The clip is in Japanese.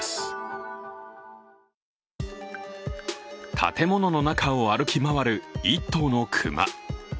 建物の中を歩き回る１頭の熊。